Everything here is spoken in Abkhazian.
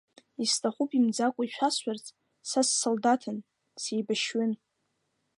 Исҭахуп имӡакәа ишәасҳәарц, са ссолдаҭын, сеибашьҩын.